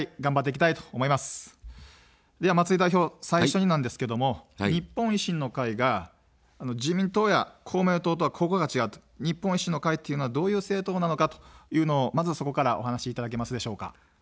では、松井代表、最初になんですけども日本維新の会が自民党や公明党とはここが違う、日本維新の会というのはどういう政党なのかというのをまずそこからお話しいただけますでしょうか。